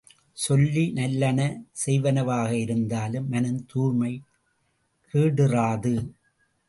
சொல்லி, நல்லன செய்வனவாக இருந்தாலும் மனம் தூய்மைக் கேடுறாது.